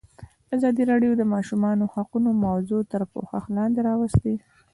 ازادي راډیو د د ماشومانو حقونه موضوع تر پوښښ لاندې راوستې.